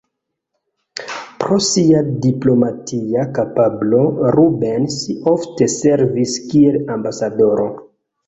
Pro sia diplomatia kapablo, Rubens ofte servis kiel ambasadoro.